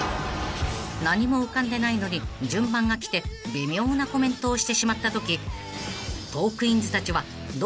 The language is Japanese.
［何も浮かんでないのに順番が来て微妙なコメントをしてしまったとき］